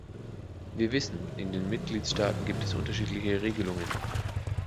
Wir wissen, in den Mitgliedstaaten gibt es unterschiedliche Regelungen.